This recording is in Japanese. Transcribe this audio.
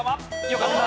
よかった！